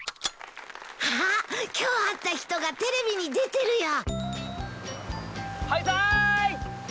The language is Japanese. あっ今日会った人がテレビに出てるよ。